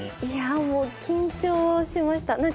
いやあもう緊張しました。